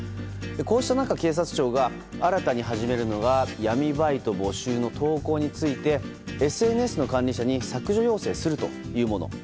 こうした中警察庁が新たに始めるのが闇バイト募集の投稿についてＳＮＳの管理者に削除要請するというもの。